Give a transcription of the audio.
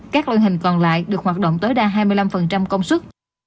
các loại hình còn lại được hoạt động tối đa hai mươi năm công sức